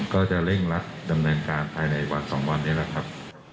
ก็จะเร่งรัดดำเนินการภายในวัน๒วันนี้แหละครับ